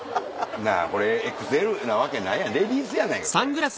これＸＬなわけないやんレディースやないかこれ。